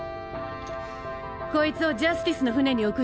こいつをジャスティスの船に送ってやれ。